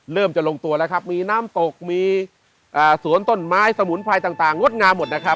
จะลงตัวแล้วครับมีน้ำตกมีสวนต้นไม้สมุนไพรต่างงดงามหมดนะครับ